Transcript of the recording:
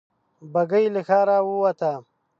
بګۍ له ښاره ووته.